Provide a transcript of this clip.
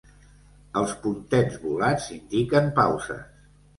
Els puntets volats indiquen pauses.